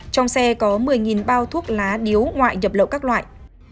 trong xe có một mươi bao thuốc lá điếu ngoại nhập lậu các loại